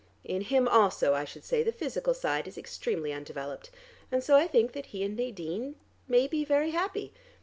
In him, also, I should say, the physical side is extremely undeveloped, and so I think that he and Nadine may be very happy.